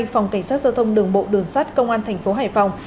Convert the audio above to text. phòng cảnh sát giao thông đường bộ đường sát công an tp hải phòng